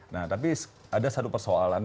nah tapi ada satu persoalan